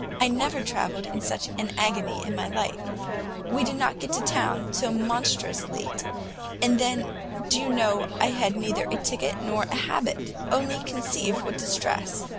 I never travelled in such an agony in my life: we did not get to town till monstrous late, and then do you know I had neither a ticket nor a habit! Only conceive what a distress!